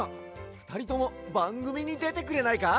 ふたりともばんぐみにでてくれないか？